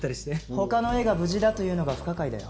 他の絵が無事だというのが不可解だよ。